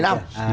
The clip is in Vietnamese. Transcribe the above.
không phải năm